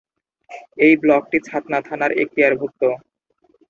এই ব্লকটি ছাতনা থানার এক্তিয়ারভুক্ত।